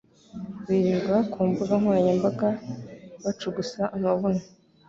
birirwa ku mbuga nkoranyambaga bacugusa amabuno.